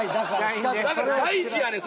だから大事やねん